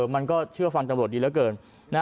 มันก็เชื่อฟังตำรวจดีเหลือเกิน